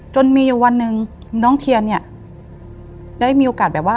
จนมีอยู่วันหนึ่งน้องเทียนเนี่ยได้มีโอกาสแบบว่า